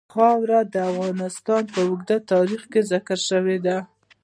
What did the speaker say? خاوره د افغانستان په اوږده تاریخ کې ذکر شوې ده.